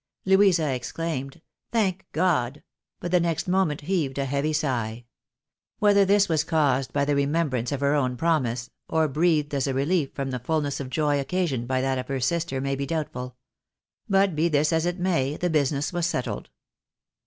Louisa exclaimed, " Tliank God! " but the' next moment heaved a heavy sigh. Whether this was caused by the remembrance of her own promise, or breathed as a relief from the fulness of joy occasioned by that of her sister, may be doubtful. But be this as it rtiay, the business was settled.